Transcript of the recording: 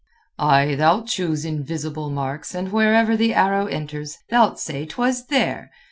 "Ay, thou'lt choose invisible marks, and wherever the arrow enters thou'lt say 'twas there!